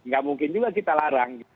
gak mungkin juga kita larang